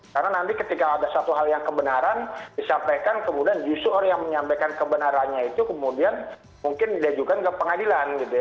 karena nanti ketika ada satu hal yang kebenaran disampaikan kemudian justru orang yang menyampaikan kebenarannya itu kemudian mungkin dia juga ke pengadilan gitu ya